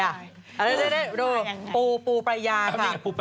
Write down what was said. เดี๋ยวดูปูปรญญาณค่ะ